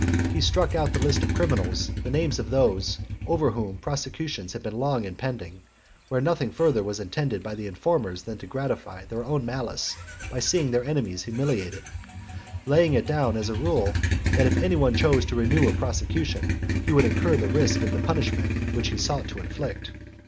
He struck out of the list of criminals the names of those over whom prosecutions had been long impending, where nothing further was intended by the informers than to gratify their own malice, by seeing their enemies humiliated; laying it down as a rule, that if any one chose to renew a prosecution, he should incur the risk of the punishment which he sought to inflict.